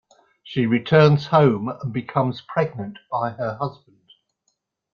She returns home and becomes pregnant by her husband.